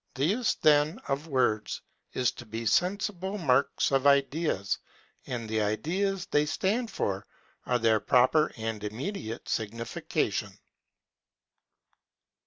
The use, then, of words, is to be sensible marks of ideas; and the ideas they stand for are their proper and immediate signification.